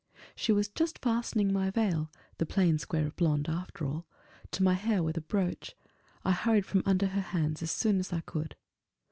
She was just fastening my veil (the plain square of blonde, after all) to my hair with a brooch; I hurried from under her hands as soon as I could.